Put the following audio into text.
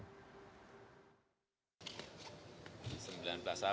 sembilan belas april dua ribu tujuh belas seluruh warga dki akan menggunakan hak